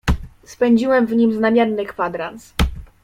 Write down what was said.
"Spędziłem w nim znamienny kwadrans."